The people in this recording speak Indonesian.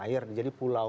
air jadi pulau